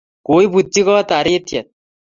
koibutchi kot taritiet